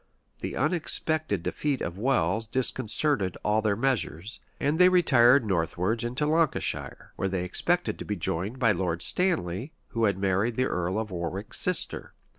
The unexpected defeat of Welles disconcerted all their measures; and they retired northwards into Lancashire, where they expected to be joined by Lord Stanley, who had married the earl of Warwick's sister.